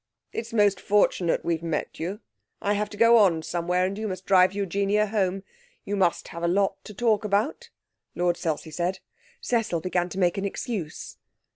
'It's most fortunate we've met you. I have to go on somewhere, and you must drive Eugenia home. You must have a lot to talk about,' Lord Selsey said. Cecil began to make an excuse.